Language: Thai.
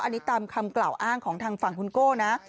อันนี้ตามคำกล่าวอ้างของทางฝั่งคุณโก้นะ